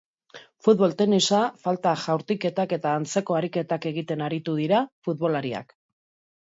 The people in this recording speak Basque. Futbol-tenisa, falta jaurtiketak eta antzeko ariketak egiten aritu dira futbolariak.